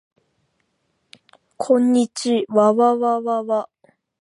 こんにちわわわわ